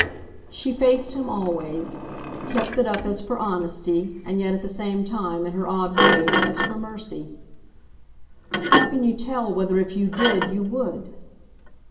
She faced him always kept it up as for honesty, and yet at the same time, in her odd way, as for mercy. "How can you tell whether if you did you would?"